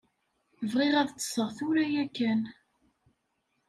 Bɣiɣ ad ṭṭseɣ tura ya kan.